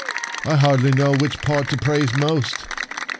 " I hardly know which part to praise most."